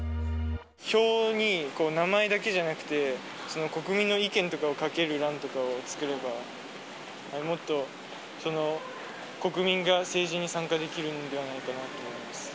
票に名前だけじゃなくて、国民の意見とかを書ける欄とかを作れば、もっと、国民が政治に参加できるんではないかなと思います。